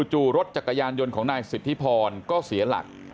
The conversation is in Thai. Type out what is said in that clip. จู่รถจักรยานยนต์ของนายสิทธิพรก็เสียหลัก